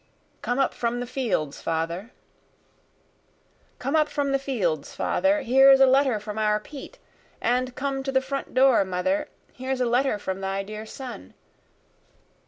Come Up from the Fields Father Come up from the fields father, here's a letter from our Pete, And come to the front door mother, here's a letter from thy dear son.